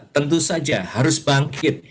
tentu saja harus bangkit